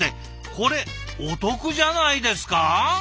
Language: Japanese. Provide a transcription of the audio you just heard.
これお得じゃないですか？